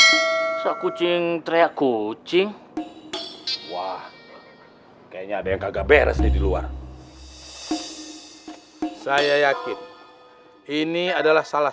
kucing kucing teriak kucing kucing kayaknya ada yang agak beres di luar saya yakin ini adalah